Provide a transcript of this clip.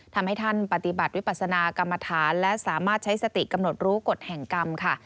ทำให้ท่านปฏิบัติวิปัสนากรรมฐานและสามารถใช้สติกำหนดรู้กฎแห่งกรรมค่ะ